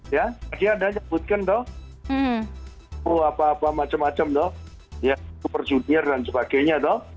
ya tadi ada yang sebutkan tau apa apa macam macam tau ya super junior dan sebagainya tau